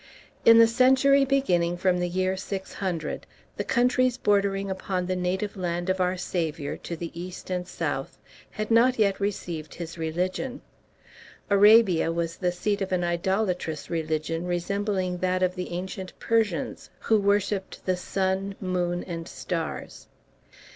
In the century beginning from the year 600, the countries bordering upon the native land of our Saviour, to the east and south, had not yet received his religion. Arabia was the seat of an idolatrous religion resembling that of the ancient Persians, who worshipped the sun, moon, and stars.